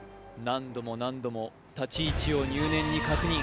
何度も何度も立ち位置を入念に確認